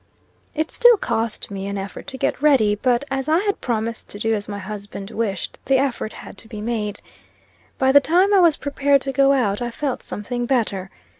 It still cost me an effort to get ready, but as I had promised to do as my husband wished, the effort had to be made. By the time I was prepared to go out, I felt something better.